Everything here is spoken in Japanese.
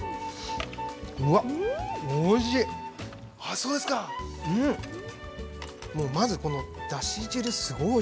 ◆うわっ、おいしい。